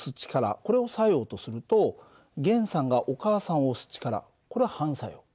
これを作用とすると源さんがお母さんを押す力これは反作用。